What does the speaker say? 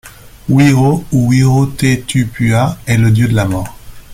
Whiro, ou Whiro Te Tupua, est le dieu de la mort.